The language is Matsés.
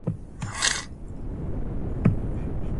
dabidi quete buanta